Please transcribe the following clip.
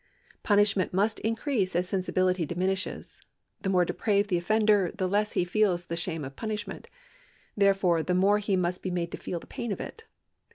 Punishment must increase as sen sibility diminishes. The more depraved the offender the less he feels the shame of punishment ; therefore the more he 382 LIABILITY (CONTINUED) |§ 150 must be made to feel the pain of it.